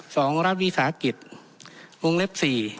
สองรัฐวิสาหกิจวงเล็บสี่